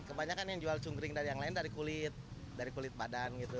kebanyakan yang jual cungkring dari yang lain dari kulit dari kulit badan gitu